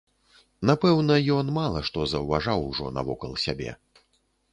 Напэўна, ён мала што заўважаў ужо навокал сябе.